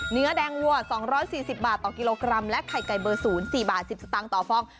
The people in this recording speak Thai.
เนื้อแดงวัว๒๔๐บาทต่อกิโลกรัมและไข่ไก่เบอร์๐๔บาท๑๐สตางค์ต่อฟอง